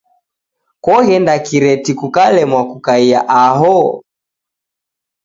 Koghenda kireti kukalemwa kukaia aho?